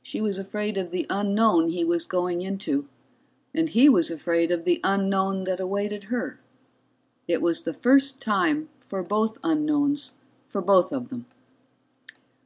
She was afraid of the unknown he was going into, and he was afraid of the unknown that awaited her it was the first time for both unknowns for both of them.